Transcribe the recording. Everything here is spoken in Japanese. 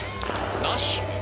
なし？